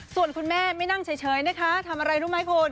ส่วนคุณแม่ไม่นั่งเฉยนะคะทำอะไรรู้ไหมคุณ